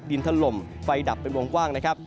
ดินทะลมไฟดับเป็นวงกว้างนะครับ